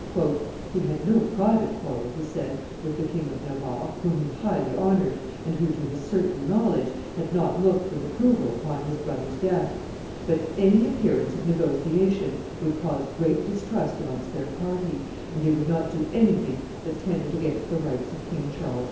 "He had no private quarrel," he said, "with the King of Navarre, whom he highly honored, and who, to his certain knowledge, had not looked with approval upon his brothers' death; but any appearance of negotiation would cause great distrust amongst their party, and they would not do anything that tended against the rights of King Charles X."